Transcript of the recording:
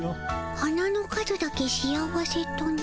花の数だけ幸せとな。